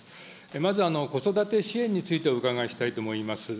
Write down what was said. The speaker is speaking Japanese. まず、子育て支援についてお伺いしたいと思います。